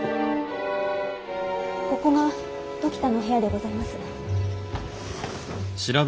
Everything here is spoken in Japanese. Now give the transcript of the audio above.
ここが時田の部屋でございます。